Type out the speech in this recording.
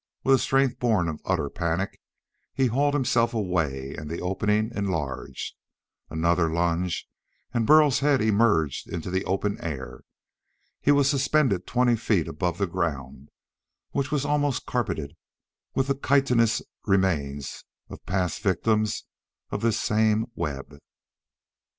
With a strength born of utter panic he hauled himself away and the opening enlarged. Another lunge and Burl's head emerged into the open air. He was suspended twenty feet above the ground, which was almost carpeted with the chitinous remains of past victims of this same web.